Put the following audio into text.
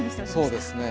そうですね。